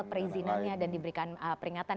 perizinannya dan diberikan peringatan